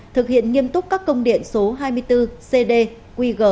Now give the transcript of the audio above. thực hiện nghiêm túc các công điện số hai mươi bốn cd quy g